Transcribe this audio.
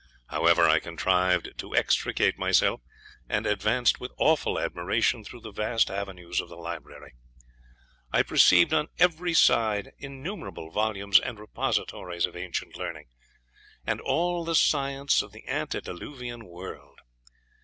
However, I contrived to extricate myself, and advanced with awful admiration through the vast avenues of the library. I perceived on every side innumerable volumes and repositories of ancient learning, and all the science of the Antediluvian world.